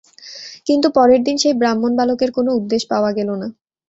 কিন্তু পরের দিন সেই ব্রাহ্মণবালকের কোনো উদ্দেশ পাওয়া গেল না।